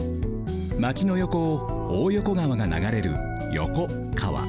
まちの横を大横川がながれる横川。